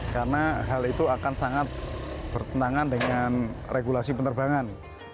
karena hal itu akan sangat bertentangan dengan regulasi penerbangan